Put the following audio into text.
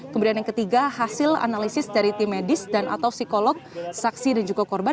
kemudian yang ketiga hasil analisis dari tim medis dan atau psikolog saksi dan juga korban